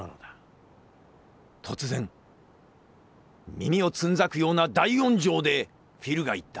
突然耳をつんざくような大音声でフィルが言った。